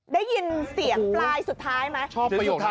ได้ยินเสียงปลายสุดท้ายไหม